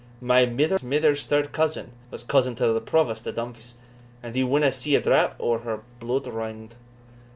My mither's mither's third cousin was cousin to the Provost o' Dumfries, and he winna see a drap o' her blude wranged.